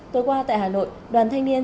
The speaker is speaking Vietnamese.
tối qua tại hà nội đoàn thanh niên